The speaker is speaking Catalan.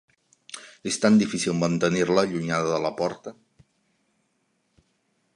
És tan difícil mantenir-la allunyada de la porta.